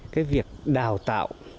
cái việc đào tạo